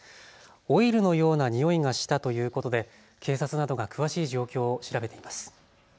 オイルのような臭いがしたということで警察などが詳しい状況を調べています。